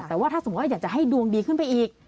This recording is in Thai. แต่ว่าถ้าสมมุติว่าอยากจะให้ดวงดีขึ้นไปอีก